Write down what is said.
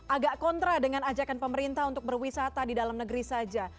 agak kontra dengan ajakan pemerintah untuk berwisata di dalam negeri saja